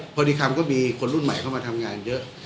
พอดีคำก็มีคนรุ่นใหม่เข้ามาทำงานเยอะ